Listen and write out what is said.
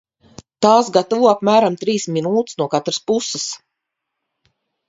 Tās gatavo apmēram trīs minūtes no katras puses.